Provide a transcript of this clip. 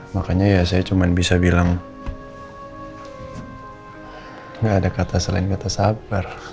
makanya ya saya cuma bisa bilang gak ada kata selain kata sabar